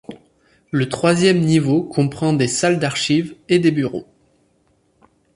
Le troisième niveau comprend des salles d'archives et des bureaux.